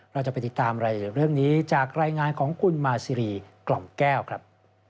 เราจะไปติดตามรายละเอียดเรื่องนี้จากรายงานของคุณมาซีรีกล่อมแก้วครับ